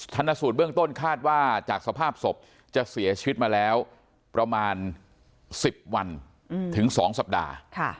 ธนสูตรเบื้องต้นคาดว่าจากสภาพศพจะเสียชีวิตมาแล้วประมาณ๑๐วันถึง๒สัปดาห์